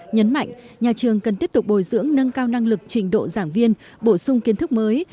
nhấn mạnh nhà trường cần tiếp tục bồi dưỡng nâng cao năng lực trình độ giảng viên bổ sung kiến thức mới